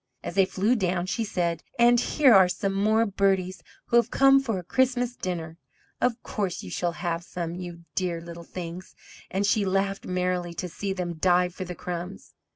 As they flew down, she said: "And here are some more birdies who have come for a Christmas dinner. Of course you shall have some, you dear little things!" and she laughed merrily to see them dive for the crumbs.